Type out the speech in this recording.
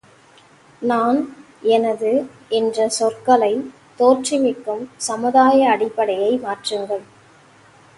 நான் எனது என்ற சொற்களைத் தோற்றுவிக்கும் சமுதாய அடிப்படையை மாற்றுங்கள்!